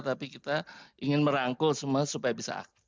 tapi kita ingin merangkul semua supaya bisa aktif